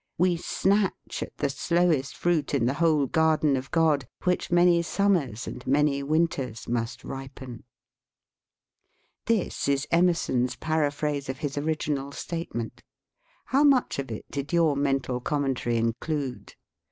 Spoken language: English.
We snatch at the slowest fruit in the whole garden of God, which many summers and many winters must ripen." This is Emerson's paraphrase of his original statement. How much of it did your mental commentary include?